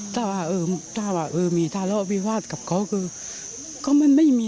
ถ้าต่อไปผมว่ามีทะเลาะพิวาตกับเขาคือก็ไม่มี